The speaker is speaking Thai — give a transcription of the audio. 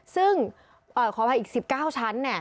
ซึ่งขออภัยอีก๑๙ชั้น